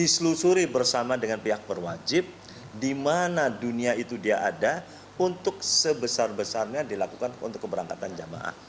diselusuri bersama dengan pihak berwajib di mana dunia itu dia ada untuk sebesar besarnya dilakukan untuk keberangkatan jamaah